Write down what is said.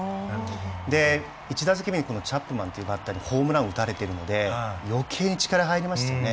で１打席目にチャップマンっていうバッターにホームラン打たれてるのでよけいに力入りましたよね。